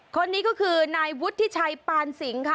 คนนี้ก็คือนายวุฒิชัยปานสิงค่ะ